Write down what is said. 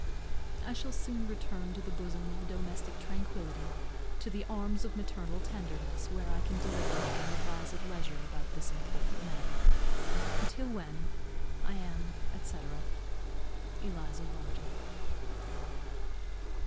I shall soon return to the bosom of domestic tranquillity, to the arms of maternal tenderness, where I can deliberate and advise at leisure about this important matter. Till when, I am, &c., ELIZA WHARTON.